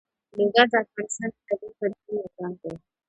لوگر د افغانستان د طبیعي پدیدو یو رنګ دی.